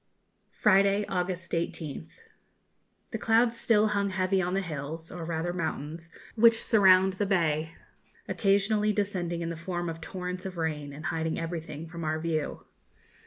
_ Friday, August 18th. The clouds still hung heavy on the hills, or rather mountains, which surround the bay, occasionally descending in the form of torrents of rain, and hiding everything from our view.